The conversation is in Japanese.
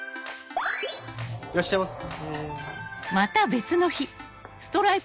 いらっしゃいませ。